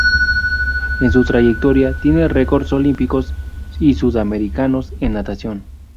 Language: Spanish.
En su trayectoria, tiene records Olímpicos y Sudamericanos en natación.